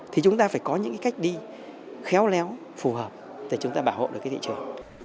thì chúng ta phải có những cái cách đi khéo léo phù hợp để chúng ta bảo hộ được cái thị trường